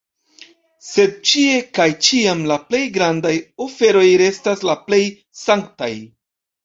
Sed ĉie kaj ĉiam la plej grandaj oferoj restas la plej sanktaj.